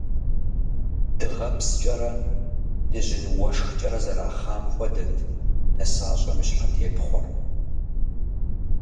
Дыгъэпскӏэрэ, дыжьын уэшхкӏэрэ зэрахъам хуэдэт нысащӏэм и щхьэтепхъуэр.